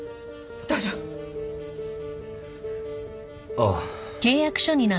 ああ